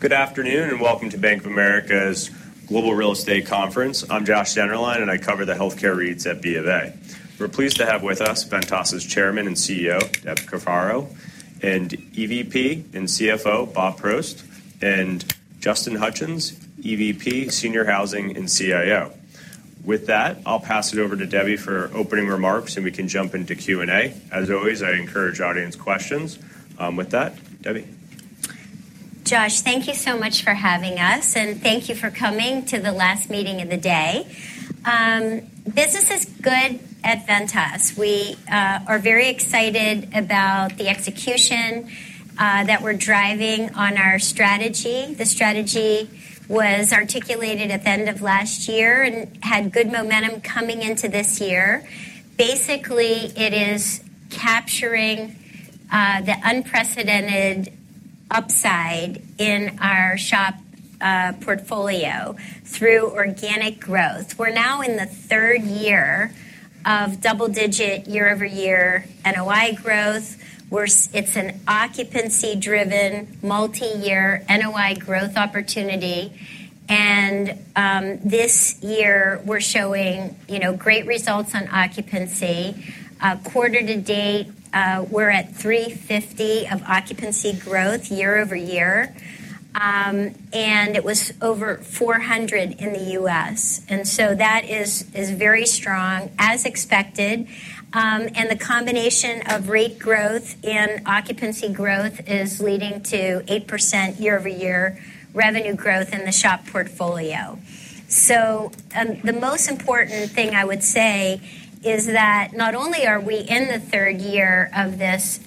Good afternoon, and welcome to Bank of America's Global Real Estate Conference. I'm Joshua Dennerlein, and I cover the healthcare REITs at B of A. We're pleased to have with us Ventas's Chairman and CEO, Debbie Cafaro, and EVP and CFO, Bob Probst, and Justin Hutchens, EVP, Senior Housing and CIO. With that, I'll pass it over to Debbie for opening remarks, and we can jump into Q&A. As always, I encourage audience questions. With that, Debbie. Josh, thank you so much for having us, and thank you for coming to the last meeting of the day. Business is good at Ventas. We are very excited about the execution that we're driving on our strategy. The strategy was articulated at the end of last year and had good momentum coming into this year. Basically, it is capturing the unprecedented upside in our SHOP portfolio through organic growth. We're now in the third year of double-digit, year-over-year NOI growth, where it's an occupancy-driven, multi-year NOI growth opportunity. And this year we're showing, you know, great results on occupancy. Quarter to date, we're at 350 of occupancy growth year-over-year, and it was over 400 in the U.S. And so that is very strong, as expected. The combination of rate growth and occupancy growth is leading to 8% year-over-year revenue growth in the SHOP portfolio, so the most important thing I would say is that not only are we in the third year of this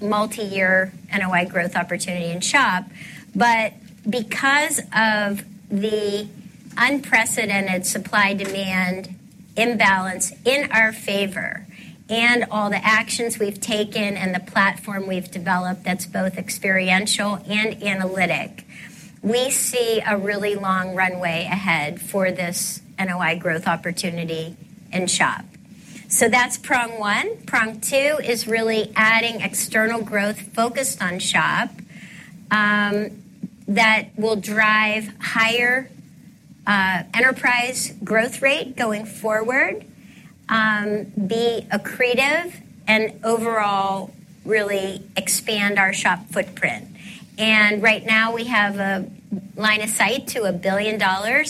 multi-year NOI growth opportunity in SHOP, but because of the unprecedented supply-demand imbalance in our favor and all the actions we've taken and the platform we've developed that's both experiential and analytic, we see a really long runway ahead for this NOI growth opportunity in SHOP, so that's prong one. Prong two is really adding external growth focused on SHOP that will drive higher enterprise growth rate going forward, be accretive and overall really expand our SHOP footprint, and right now, we have a line of sight to $1 billion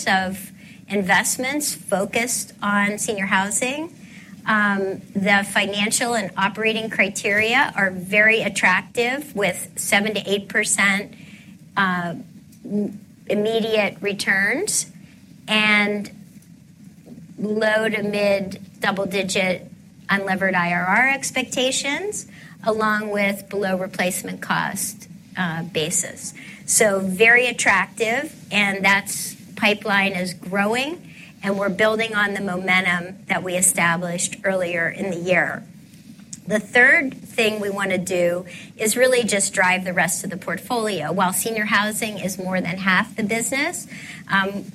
of investments focused on senior housing. The financial and operating criteria are very attractive, with 7%-8% immediate returns and low- to mid-double-digit unlevered IRR expectations, along with below replacement cost basis, so very attractive, and that pipeline is growing, and we're building on the momentum that we established earlier in the year. The third thing we want to do is really just drive the rest of the portfolio. While senior housing is more than half the business,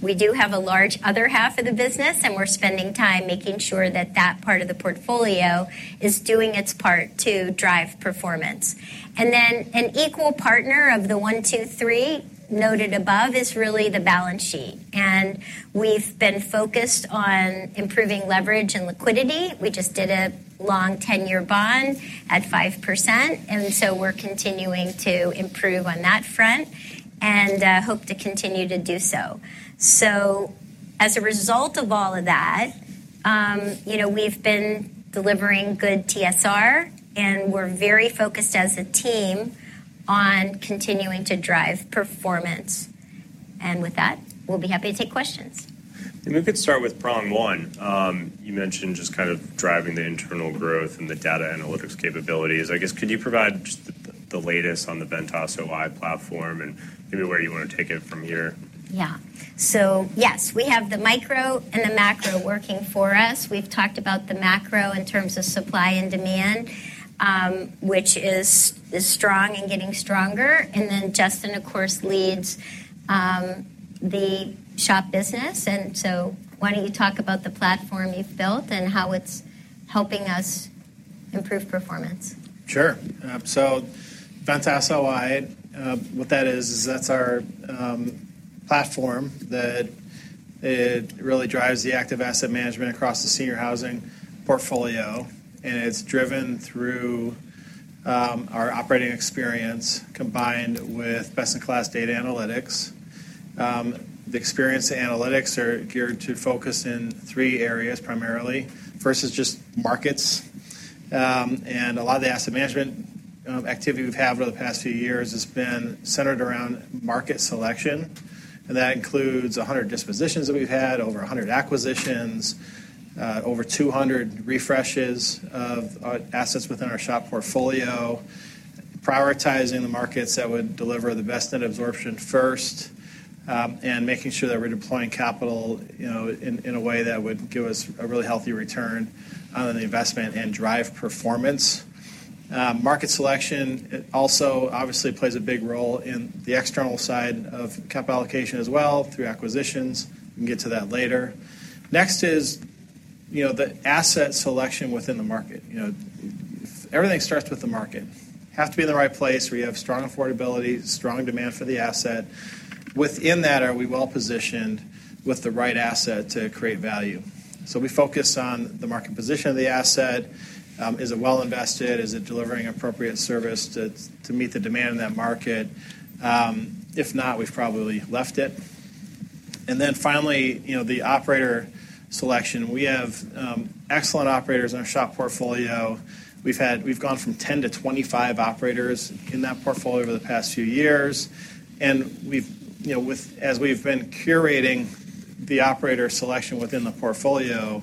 we do have a large other half of the business, and we're spending time making sure that that part of the portfolio is doing its part to drive performance, and then an equal partner of the one, two, three noted above is really the balance sheet, and we've been focused on improving leverage and liquidity. We just did a long 10-year bond at 5%, and so we're continuing to improve on that front and hope to continue to do so. So as a result of all of that, you know, we've been delivering good TSR, and we're very focused as a team on continuing to drive performance. And with that, we'll be happy to take questions. We could start with prong one. You mentioned just kind of driving the internal growth and the data analytics capabilities. I guess, could you provide just the latest on the Ventas OI platform and maybe where you want to take it from here? Yeah. So yes, we have the micro and the macro working for us. We've talked about the macro in terms of supply and demand, which is strong and getting stronger. And then Justin, of course, leads the SHOP business. And so why don't you talk about the platform you've built and how it's helping us improve performance? Sure. So Ventas OI, what that is, is that's our platform, that it really drives the active asset management across the senior housing portfolio, and it's driven through our operating experience, combined with best-in-class data analytics. The experience analytics are geared to focus in three areas, primarily. First is just markets, and a lot of the asset management activity we've had over the past few years has been centered around market selection. And that includes 100 dispositions that we've had, over 100 acquisitions, over 200 refreshes of assets within our SHOP portfolio, prioritizing the markets that would deliver the best net absorption first, and making sure that we're deploying capital, you know, in a way that would give us a really healthy return on the investment and drive performance. Market selection, it also obviously plays a big role in the external side of capital allocation as well, through acquisitions. We'll get to that later. Next is, you know, the asset selection within the market. You know, everything starts with the market. Have to be in the right place, where you have strong affordability, strong demand for the asset. Within that, are we well-positioned with the right asset to create value? So we focus on the market position of the asset. Is it well invested? Is it delivering appropriate service to meet the demand in that market? If not, we've probably left it, and then finally, you know, the operator selection. We have excellent operators in our SHOP portfolio. We've gone from 10 to 25 operators in that portfolio over the past few years, and we've, you know, with as we've been curating the operator selection within the portfolio,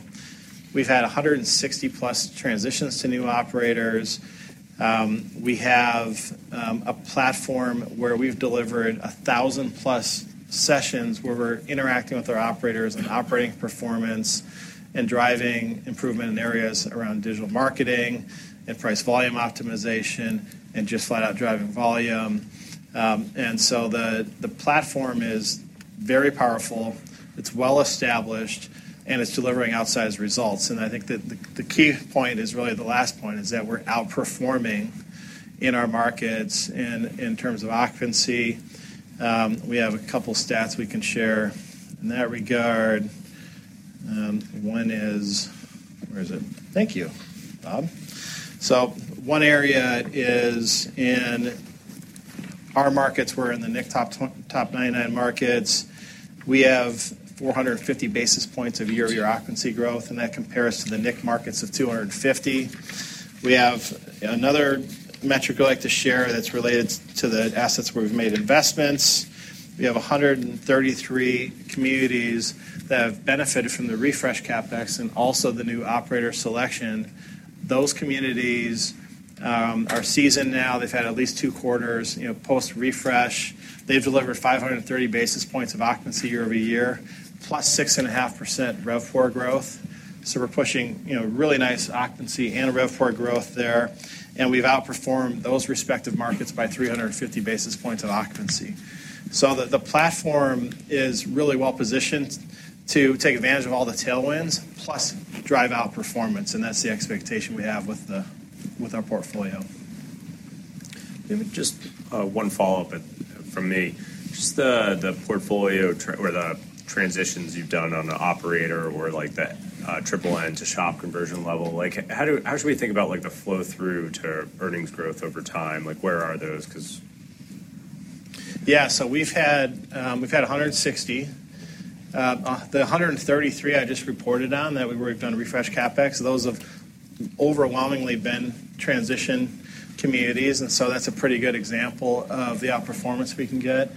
we've had 160 plus transitions to new operators. We have a platform where we've delivered 1,000 plus sessions, where we're interacting with our operators on operating performance and driving improvement in areas around digital marketing and price-volume optimization and just flat out driving volume. And so the platform is very powerful, it's well established, and it's delivering outsized results. And I think that the key point is really the last point, is that we're outperforming in our markets. And in terms of occupancy, we have a couple stats we can share in that regard. One is... Where is it? Thank you, Bob. So one area is in our markets. We're in the NIC top 99 markets. We have 450 basis points of year-over-year occupancy growth, and that compares to the NIC markets of 250. We have another metric I'd like to share that's related to the assets where we've made investments. We have 133 communities that have benefited from the refresh CapEx and also the new operator selection. Those communities are seasoned now. They've had at least two quarters, you know, post-refresh. They've delivered 530 basis points of occupancy year-over-year, plus 6.5% RevPOR growth. So we're pushing, you know, really nice occupancy and RevPOR growth there, and we've outperformed those respective markets by 350 basis points of occupancy. So the platform is really well positioned to take advantage of all the tailwinds, plus drive outperformance, and that's the expectation we have with our portfolio. Maybe just one follow-up from me. Just the portfolio or the transitions you've done on the operator or, like, the triple-net to SHOP conversion level, like, how should we think about the flow-through to earnings growth over time? Like, where are those? 'Cause... Yeah. So we've had a 160, the 133 I just reported on, that we've done refresh CapEx. Those have overwhelmingly been transition communities, and so that's a pretty good example of the outperformance we can get.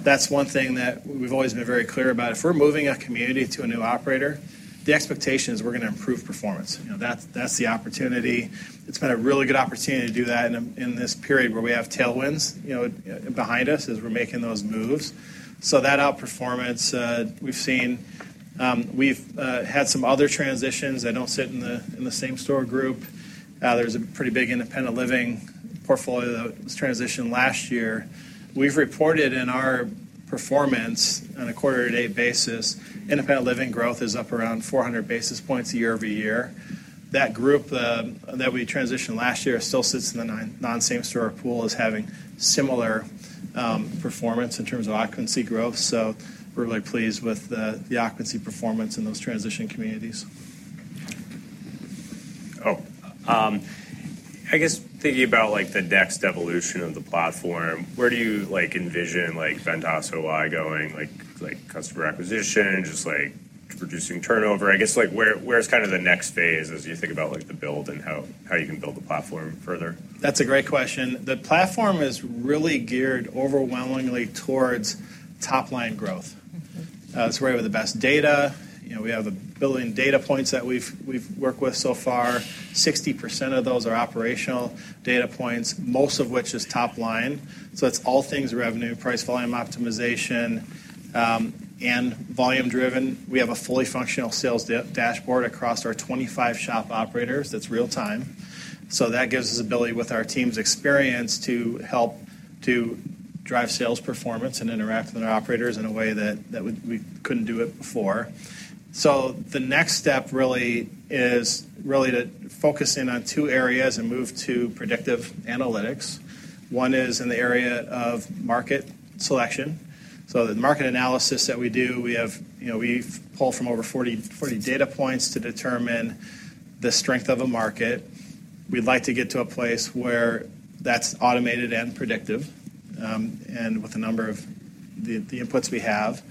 That's one thing that we've always been very clear about. If we're moving a community to a new operator, the expectation is we're gonna improve performance. You know, that's the opportunity. It's been a really good opportunity to do that in this period where we have tailwinds, you know, behind us as we're making those moves. So that outperformance we've seen, we've had some other transitions that don't sit in the same store group. There's a pretty big independent living portfolio that was transitioned last year. We've reported in our performance on a quarter-to-date basis, independent living growth is up around 400 basis points year over year. That group that we transitioned last year still sits in the non-same store pool as having similar performance in terms of occupancy growth. So we're really pleased with the occupancy performance in those transition communities. Oh, I guess thinking about, like, the next evolution of the platform, where do you, like, envision, like, Ventas OI going? Like, like, customer acquisition, just, like, reducing turnover. I guess, like, where's kind of the next phase as you think about, like, the build and how you can build the platform further? That's a great question. The platform is really geared overwhelmingly towards top-line growth. Mm-hmm. It's where we have the best data. You know, we have a billion data points that we've worked with so far. 60% of those are operational data points, most of which is top line, so it's all things revenue, price-volume optimization, and volume driven. We have a fully functional sales dashboard across our 25 SHOP operators that's real time, so that gives us ability, with our team's experience, to help to drive sales performance and interact with our operators in a way that we couldn't do it before. The next step really is to focus in on two areas and move to predictive analytics. One is in the area of market selection. The market analysis that we do, we have. You know, we pull from over 40 data points to determine the strength of a market. We'd like to get to a place where that's automated and predictive, and with a number of the inputs we have,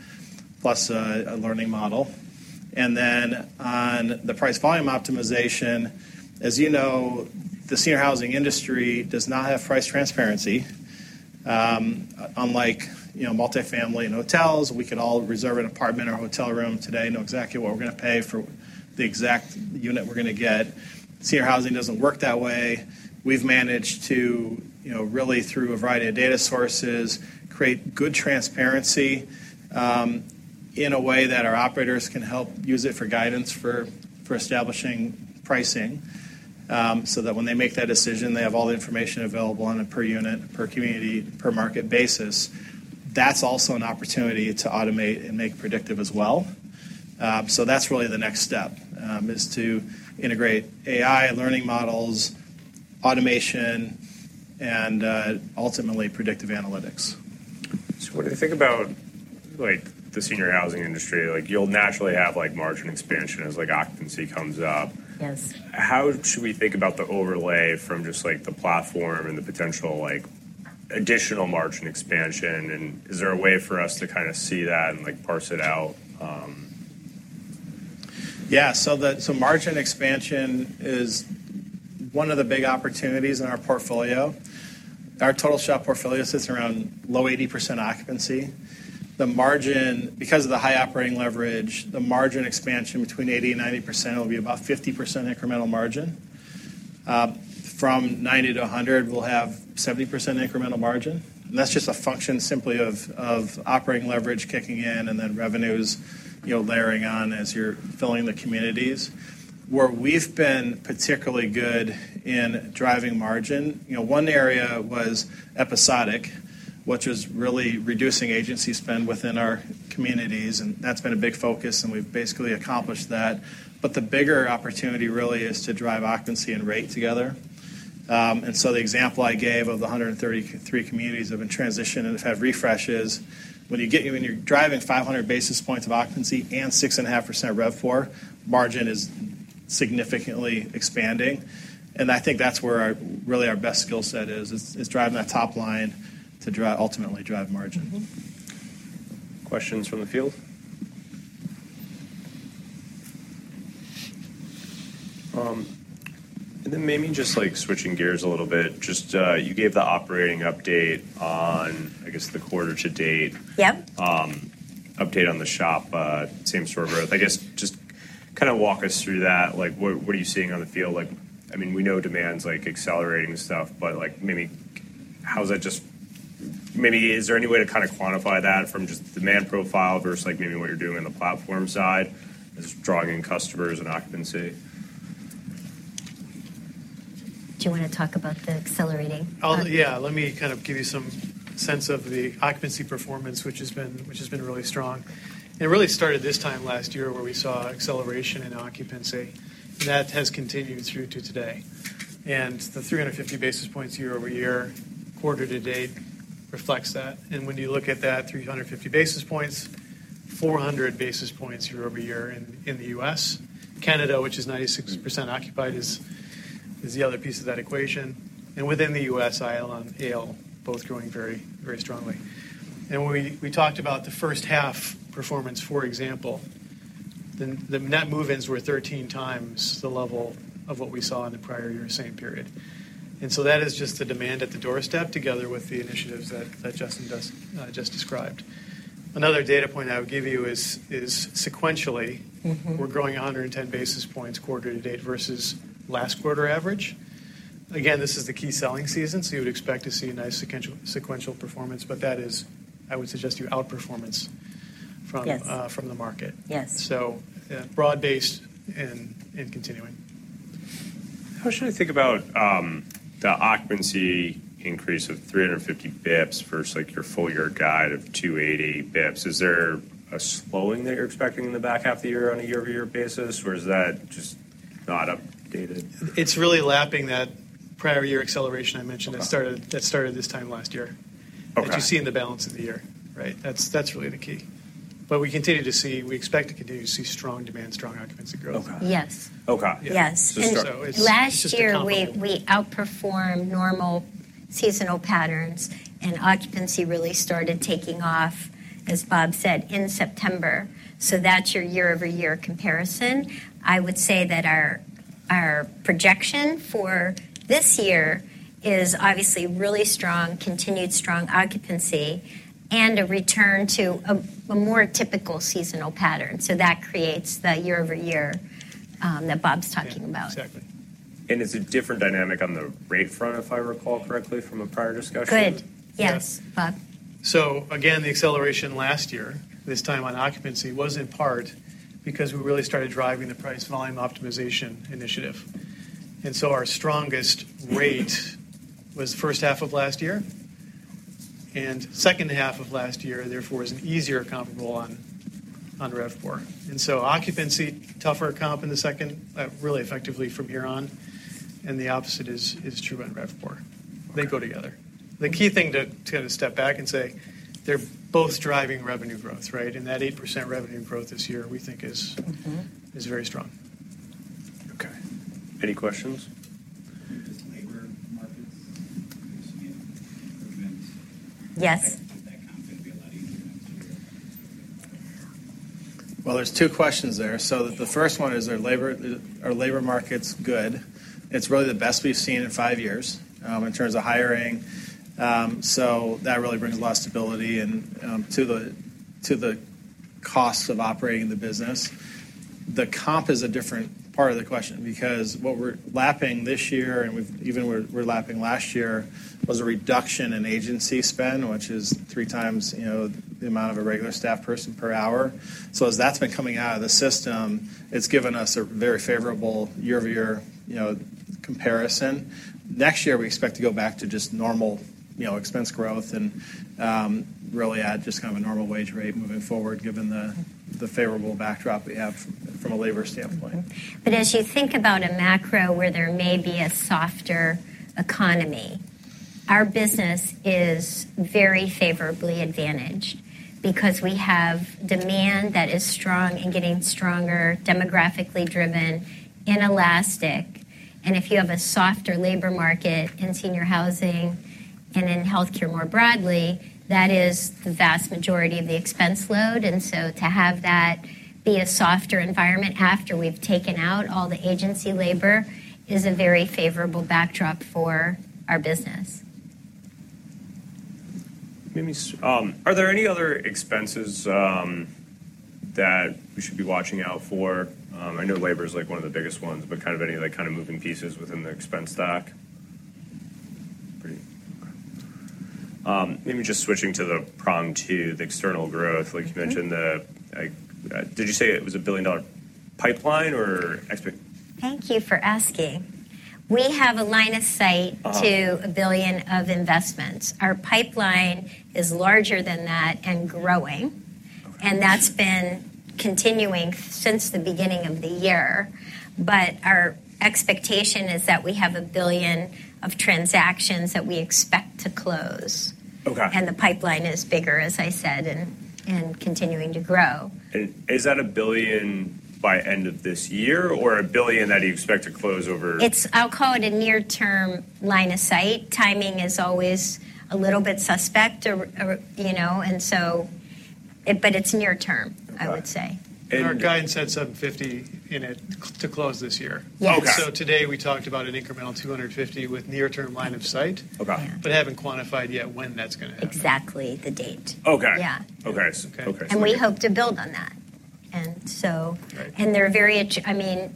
plus a learning model and then on the price-volume optimization, as you know, the senior housing industry does not have price transparency, unlike, you know, multifamily and hotels, we can all reserve an apartment or a hotel room today and know exactly what we're gonna pay for the exact unit we're gonna get. Senior housing doesn't work that way. We've managed to, you know, really through a variety of data sources, create good transparency in a way that our operators can help use it for guidance for establishing pricing. That's also an opportunity to automate and make predictive as well. So that's really the next step is to integrate AI learning models, automation, and ultimately, predictive analytics. So what do you think about, like, the senior housing industry? Like, you'll naturally have, like, margin expansion as, like, occupancy comes up. Yes. How should we think about the overlay from just, like, the platform and the potential, like, additional margin expansion? And is there a way for us to kind of see that and, like, parse it out? Yeah, so margin expansion is one of the big opportunities in our portfolio. Our total SHOP portfolio sits around low 80% occupancy. The margin. Because of the high operating leverage, the margin expansion between 80% and 90% will be about 50% incremental margin. From 90% to 100%, we'll have 70% incremental margin, and that's just a function simply of operating leverage kicking in, and then revenues, you know, layering on as you're filling the communities. Where we've been particularly good in driving margin, you know, one area was episodic, which was really reducing agency spend within our communities, and that's been a big focus, and we've basically accomplished that. But the bigger opportunity really is to drive occupancy and rate together. And so the example I gave of the 133 communities that have been transitioned and have had refreshes, when you get... When you're driving 500 basis points of occupancy and 6.5% of RevPOR, margin is significantly expanding. And I think that's where our, really, our best skill set is driving that top line to ultimately drive margin. Mm-hmm. Questions from the field? And then maybe just, like, switching gears a little bit, just, you gave the operating update on, I guess, the quarter to date. Yep. Update on the SHOP, same-store growth. I guess, just kind of walk us through that. Like, what are you seeing on the field? Like, I mean, we know demand's like accelerating and stuff, but, like, maybe how is that just... Maybe is there any way to kind of quantify that from just demand profile versus, like, maybe what you're doing on the platform side, just drawing in customers and occupancy? Do you wanna talk about the accelerating? Yeah, let me kind of give you some sense of the occupancy performance, which has been really strong. It really started this time last year, where we saw acceleration in occupancy, and that has continued through to today, and the 350 basis points year over year, quarter to date, reflects that, and when you look at that 350 basis points, 400 basis points year over year in the U.S., Canada, which is 96% occupied, is the other piece of that equation, and within the U.S., IL and AL, both growing very, very strongly, and when we talked about the first half performance, for example, the net move-ins were 13 times the level of what we saw in the prior year, same period. And so that is just the demand at the doorstep, together with the initiatives that Justin just described. Another data point I would give you is sequentially- Mm-hmm. We're growing a hundred and ten basis points quarter to date versus last quarter average. Again, this is the key selling season, so you would expect to see a nice sequential performance, but that is, I would suggest, your outperformance from- Yes. from the market. Yes. Broad-based and continuing. How should I think about the occupancy increase of 350 basis points versus, like, your full year guide of 280 basis points? Is there a slowing that you're expecting in the back half of the year on a year-over-year basis, or is that just not updated? It's really lapping that prior year acceleration I mentioned- Okay. that started this time last year Okay. that you see in the balance of the year, right? That's, that's really the key. But we continue to see. We expect to continue to see strong demand, strong occupancy growth. Okay. Yes. Okay. Yes. Just- And last year- It's just a comparable.... we outperformed normal seasonal patterns, and occupancy really started taking off, as Bob said, in September. So that's your year-over-year comparison. I would say that our projection for this year is obviously really strong, continued strong occupancy and a return to a more typical seasonal pattern. So that creates the year over year that Bob's talking about. Yeah, exactly. And it's a different dynamic on the rate front, if I recall correctly from a prior discussion? Good. Yes- Yes. Bob. So again, the acceleration last year, this time on occupancy, was in part because we really started driving the price volume optimization initiative. And so our strongest rate was H1 of last year, and H2 of last year, therefore, is an easier comparable on RevPOR. And so occupancy, tougher comp in the second, really effectively from here on, and the opposite is true on RevPOR. Okay. They go together. The key thing to step back and say: They're both driving revenue growth, right? And that 8% revenue growth this year, we think is- Mm-hmm... is very strong. Okay. Any questions? With this labor markets, seeing improvements- Yes... That comp is going to be a lot easier next year? There's two questions there. The first one is, are labor markets good? It's really the best we've seen in five years in terms of hiring. That really brings a lot of stability and to the costs of operating the business. The comp is a different part of the question because what we're lapping this year and even last year was a reduction in agency spend, which is three times, you know, the amount of a regular staff person per hour. As that's been coming out of the system, it's given us a very favorable year-over-year, you know, comparison. Next year, we expect to go back to just normal, you know, expense growth and really add just kind of a normal wage rate moving forward, given the favorable backdrop we have from a labor standpoint. But as you think about a macro where there may be a softer economy, our business is very favorably advantaged because we have demand that is strong and getting stronger, demographically driven, inelastic. And if you have a softer labor market in senior housing and in healthcare more broadly, that is the vast majority of the expense load. And so to have that be a softer environment after we've taken out all the agency labor, is a very favorable backdrop for our business. Let me, are there any other expenses that we should be watching out for? I know labor is, like, one of the biggest ones, but kind of any, like, kind of moving pieces within the expense stack? Maybe just switching to the prong two, the external growth. Mm-hmm. Like you mentioned, did you say it was a billion-dollar pipeline or expect? Thank you for asking. We have a line of sight- Uh. - to $1 billion of investments. Our pipeline is larger than that and growing. Okay. And that's been continuing since the beginning of the year. But our expectation is that we have $1 billion of transactions that we expect to close. Okay. The pipeline is bigger, as I said, and continuing to grow. Is that a billion by end of this year or a billion that you expect to close over- It's a near-term line of sight. Timing is always a little bit suspect or, you know, and so. But it's near term- Okay. I would say. Our guidance had $7.50 in it to close this year. Okay. So today, we talked about an incremental 250 with near-term line of sight. Okay. Yeah. But haven't quantified yet when that's gonna happen. Exactly the date. Okay. Yeah. Okay. Okay. Okay. And we hope to build on that. And so- Right. I mean,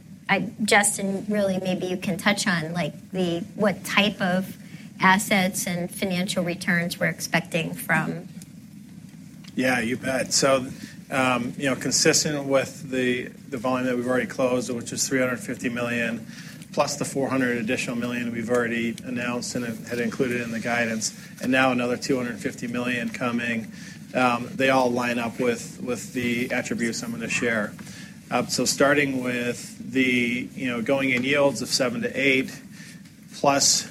Justin, really, maybe you can touch on, like, the what type of assets and financial returns we're expecting from. Yeah, you bet. So, you know, consistent with the volume that we've already closed, which is $350 million, plus the $400 additional million we've already announced and had included in the guidance, and now another $250 million coming, they all line up with the attributes I'm gonna share. So starting with the, you know, going in yields of 7%-8%, plus,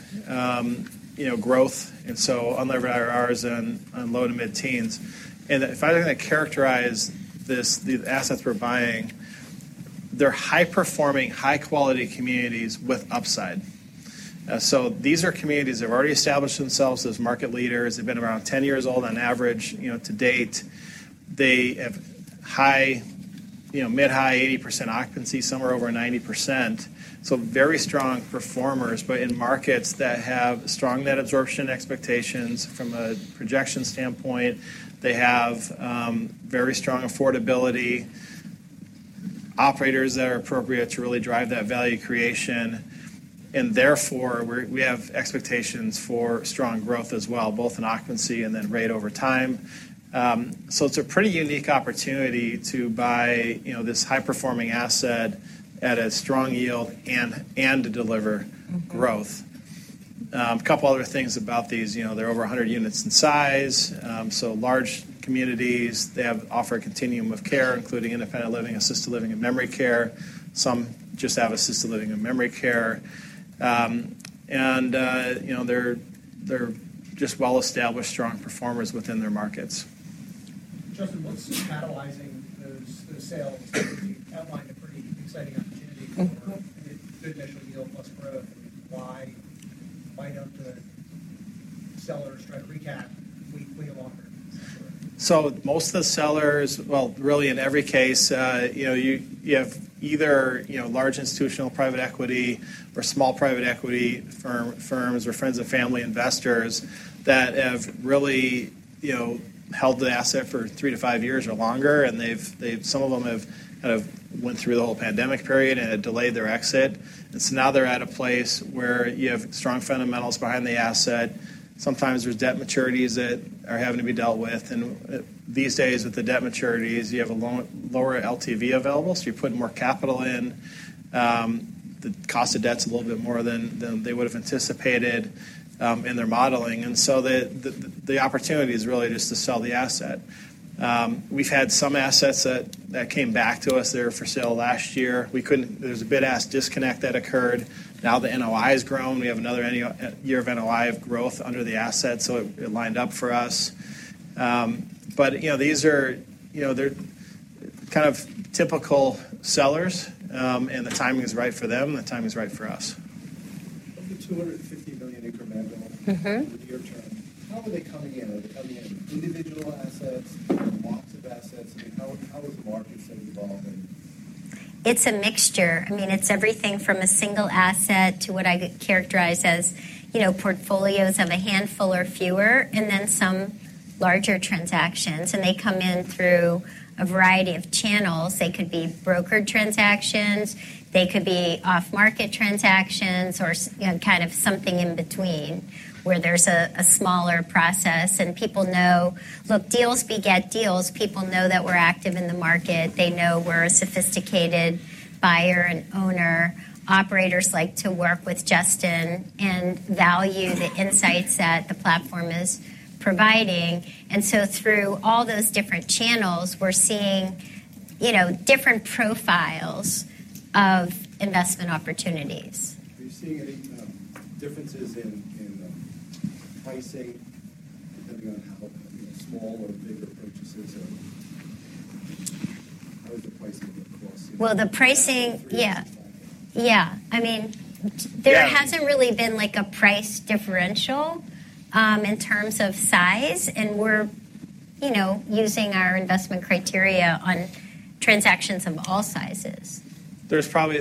you know, growth, and so unlevered IRRs are in the low-to-mid teens. If I had to characterize this, the assets we're buying, they're high-performing, high-quality communities with upside. These are communities that have already established themselves as market leaders. They've been around 10 years old on average, you know, to date. They have high, you know, mid-high 80% occupancy, somewhere over 90%. So very strong performers, but in markets that have strong net absorption expectations from a projection standpoint. They have very strong affordability, operators that are appropriate to really drive that value creation, and therefore, we have expectations for strong growth as well, both in occupancy and then rate over time. So it's a pretty unique opportunity to buy, you know, this high-performing asset at a strong yield and to deliver growth. Mm-hmm. A couple other things about these, you know, they're over 100 units in size, so large communities. They offer a continuum of care, including independent living, assisted living, and memory care. Some just have assisted living and memory care. You know, they're just well-established, strong performers within their markets. Justin, what's catalyzing those sales? You outlined a pretty exciting opportunity- Mm-hmm. - for good initial yield plus growth. Why don't the sellers try to recap, wait longer? So most of the sellers. Well, really, in every case, you know, you have either, you know, large institutional private equity or small private equity firms, or friends and family investors that have really, you know, held the asset for three to five years or longer, and they've some of them have kind of went through the whole pandemic period and had delayed their exit. And so now they're at a place where you have strong fundamentals behind the asset. Sometimes there's debt maturities that are having to be dealt with, and, these days, with the debt maturities, you have a lower LTV available, so you're putting more capital in. The cost of debt is a little bit more than they would have anticipated in their modeling, and so the opportunity is really just to sell the asset. We've had some assets that came back to us. They were for sale last year. We couldn't. There was a bid-ask disconnect that occurred. Now, the NOI has grown. We have another year of NOI growth under the asset, so it lined up for us. But, you know, these are, you know, they're kind of typical sellers, and the timing is right for them, and the timing is right for us. Of the two hundred and fifty million incremental- Mm-hmm. Near term, how are they coming in? Are they coming in individual assets, lots of assets? I mean, how is the market set evolving? It's a mixture. I mean, it's everything from a single asset to what I could characterize as, you know, portfolios of a handful or fewer, and then some larger transactions, and they come in through a variety of channels. They could be brokered transactions, they could be off-market transactions, or kind of something in between, where there's a, a smaller process and people know. Look, deals beget deals. People know that we're active in the market. They know we're a sophisticated buyer and owner. Operators like to work with Justin and value the insights that the platform is providing. And so through all those different channels, we're seeing, you know, different profiles of investment opportunities. Are you seeing any differences in pricing, depending on how, you know, small or big the purchases are? How is the pricing across- The pricing- Yeah. Yeah. I mean, Yeah... there hasn't really been, like, a price differential, in terms of size, and we're, you know, using our investment criteria on transactions of all sizes. There's probably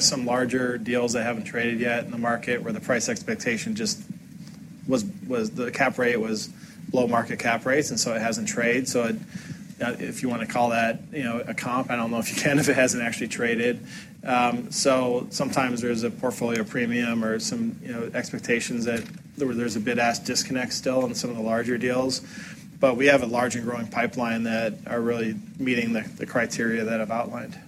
some larger deals that haven't traded yet in the market, where the price expectation just was. The cap rate was low market cap rates, and so it hasn't traded. So, if you wanna call that, you know, a comp, I don't know if you can, if it hasn't actually traded. So sometimes there's a portfolio premium or some, you know, expectations that there's a bid-ask disconnect still on some of the larger deals. But we have a large and growing pipeline that are really meeting the criteria that I've outlined.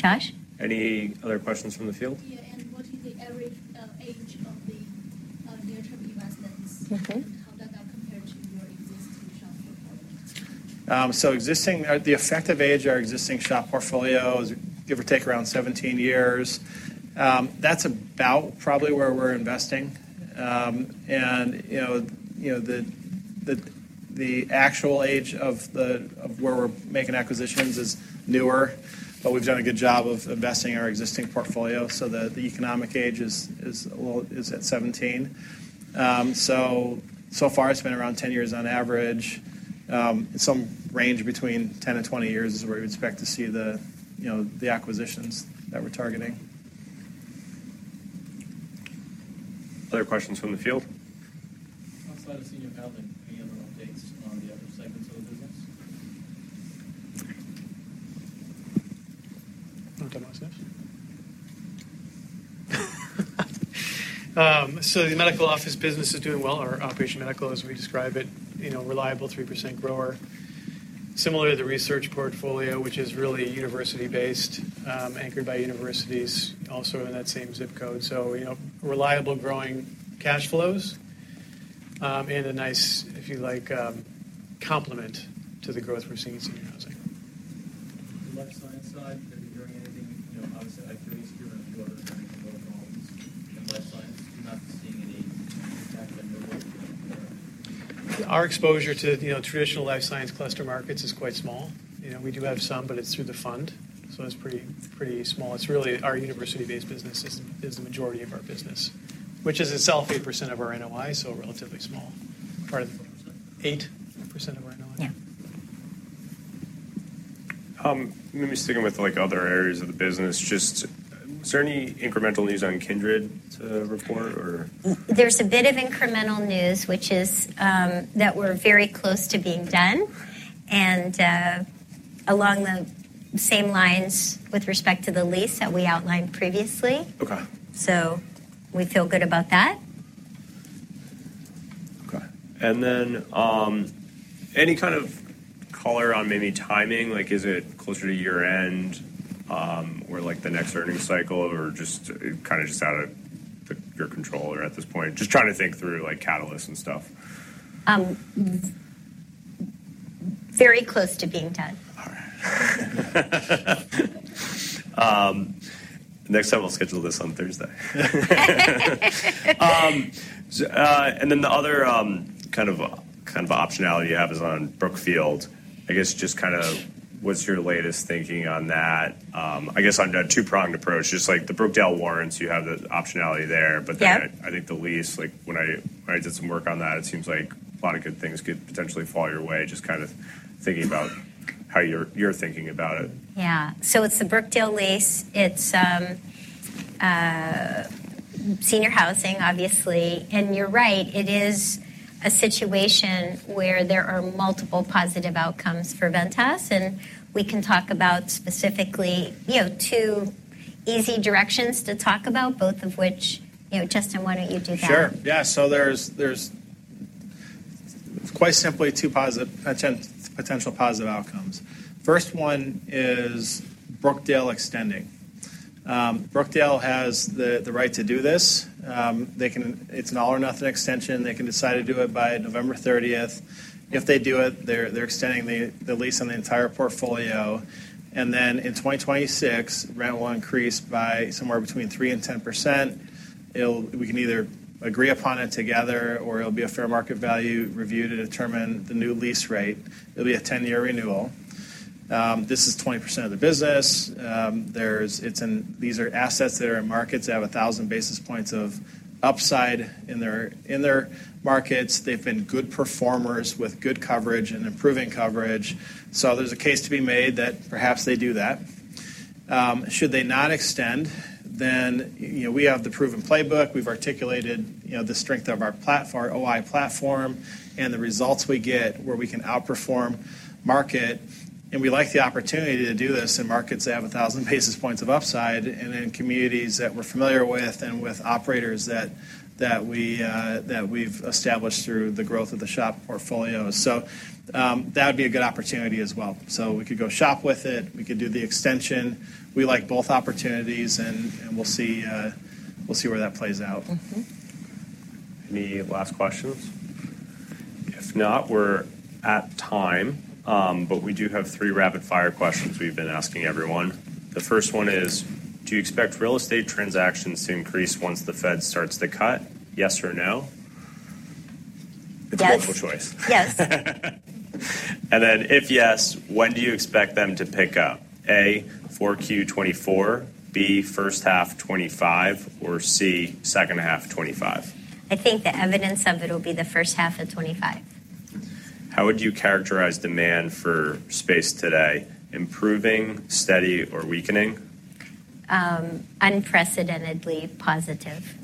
Josh? Any other questions from the field? Yeah, and what is the average age of the near-term investments? Mm-hmm. How does that compare to your existing shop portfolio? So, the effective age of our existing shop portfolio is, give or take, around 17 years. That's about probably where we're investing. You know, the actual age of where we're making acquisitions is newer, but we've done a good job of investing in our existing portfolio so that the economic age is at 17. So far, it's been around 10 years on average. Some range between 10 and 20 years is where we expect to see you know, the acquisitions that we're targeting. Other questions from the field? Outside of senior housing, any other updates on the other segments of the business? You want to talk about this? So the medical office business is doing well, or Outpatient Medical, as we describe it. You know, reliable 3% grower. Similar to the research portfolio, which is really university-based, anchored by universities, also in that same zip code. So, you know, reliable, growing cash flows, and a nice, if you like, complement to the growth we're seeing in senior housing. The life science side, are we hearing anything? You know, obviously, activities here in Florida are kind of low volumes in life science. You're not seeing any impact on the work or? Our exposure to, you know, traditional life science cluster markets is quite small. You know, we do have some, but it's through the fund, so it's pretty, pretty small. It's really our university-based business is, is the majority of our business, which is itself 8% of our NOI, so relatively small. Pardon? 8%? 8% of our NOI. Yeah. Maybe sticking with, like, other areas of the business, just, is there any incremental news on Kindred to report or? There's a bit of incremental news, which is, that we're very close to being done, and, along the same lines with respect to the lease that we outlined previously. Okay. So we feel good about that. Okay. And then, any kind of color on maybe timing? Like, is it closer to year-end, or, like, the next earnings cycle, or just kind of out of your control at this point? Just trying to think through, like, catalysts and stuff. Very close to being done. All right. Next time, we'll schedule this on Thursday. And then the other kind of optionality you have is on Brookdale. I guess, just kind of what's your latest thinking on that? I guess on a two-pronged approach, just like the Brookdale warrants, you have the optionality there- Yeah... but then I think the lease, like, when I did some work on that, it seems like a lot of good things could potentially fall your way. Just kind of thinking about how you're thinking about it. Yeah, so it's the Brookdale lease, it's senior housing, obviously. And you're right, it is a situation where there are multiple positive outcomes for Ventas, and we can talk about specifically, you know, two easy directions to talk about, both of which... You know, Justin, why don't you do that? Sure. Yeah, so there's quite simply two positive potential positive outcomes. First one is Brookdale extending. Brookdale has the right to do this. It's an all or nothing extension. They can decide to do it by November 30th. If they do it, they're extending the lease on the entire portfolio, and then in 2026, rent will increase by somewhere between 3% and 10%. It'll. We can either agree upon it together, or it'll be a fair market value review to determine the new lease rate. It'll be a ten-year renewal. This is 20% of the business. These are assets that are in markets that have 1,000 basis points of upside in their markets. They've been good performers with good coverage and improving coverage. There's a case to be made that perhaps they do that. Should they not extend, then, you know, we have the proven playbook. We've articulated, you know, the strength of our OI platform and the results we get, where we can outperform market. We like the opportunity to do this in markets that have a thousand basis points of upside, and in communities that we're familiar with, and with operators that we've established through the growth of the SHOP portfolio. That would be a good opportunity as well. We could go SHOP with it. We could do the extension. We like both opportunities, and we'll see where that plays out. Mm-hmm. Any last questions? If not, we're at time, but we do have three rapid-fire questions we've been asking everyone. The first one is: Do you expect real estate transactions to increase once the Fed starts to cut, yes or no? Yes. It's a multiple choice. Yes. And then, if yes, when do you expect them to pick up? A, 4Q 2024, B, H1 2025, or C, H2 2025. I think the evidence of it will be H1 of 2025. How would you characterize demand for space today? Improving, steady or weakening? Unprecedentedly positive.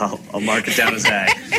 I'll mark it down as A.